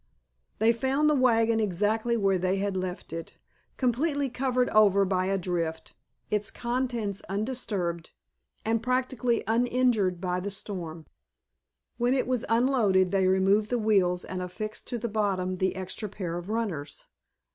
They found the wagon exactly where they had left it, completely covered over by a drift, its contents undisturbed, and practically uninjured by the storm. When it was unloaded they removed the wheels and affixed to the bottom the extra pair of runners.